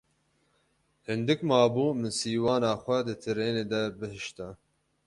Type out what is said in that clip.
Hindik mabû min sîwana xwe di trênê de bihişta.